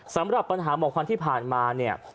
สำหรับปัญหาเหมาะควันที่ผ่านมา